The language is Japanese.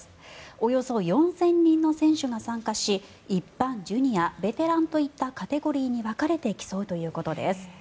およそ４０００人の選手が参加し一般、ジュニア、ベテランといったカテゴリーに分かれて競うということです。